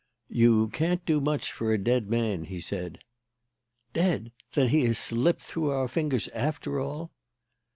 "You can't do much for a dead man," he said. "Dead! Then he has slipped through our fingers after all!"